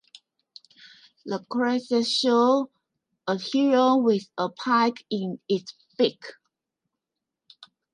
The crest shows a heron with a pike in its beak.